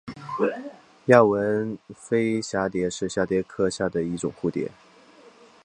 丫纹俳蛱蝶是蛱蝶科下的一种蝴蝶。